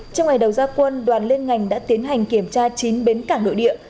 trong ngày đầu gia quân đoàn liên ngành đã tiến hành kiểm tra chín bến cảng nội địa